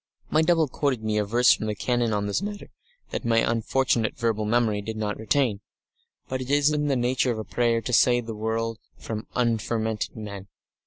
My double quoted me a verse from the Canon on this matter that my unfortunate verbal memory did not retain, but it was in the nature of a prayer to save the world from "unfermented men."